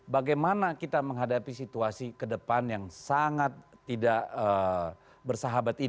bagaimana kita menghadapi situasi kedepan yang sangat tidak bersahabat ini